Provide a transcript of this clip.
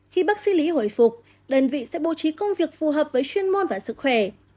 khi bác sĩ lý hồi phục đơn vị sẽ bố trí công việc phù hợp với chuyên môn và sức khỏe